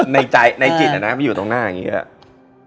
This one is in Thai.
ในใจในจิตแหละนะมาอยู่ตรงหน้าอย่างงี้แหละอืม